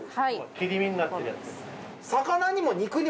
切り身になってるやつです。